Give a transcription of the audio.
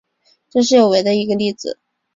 这是有违的一个例子。